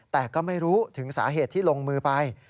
แต่ก็ไม่รู้ถึงสาเหตุที่ลงมือไป